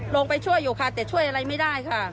ลงไปช่วยอยู่ค่ะแต่ช่วยอะไรไม่ได้ค่ะ